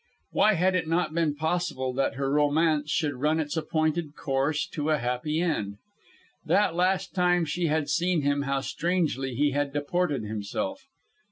Why had it not been possible that her romance should run its appointed course to a happy end? That last time she had seen him how strangely he had deported himself.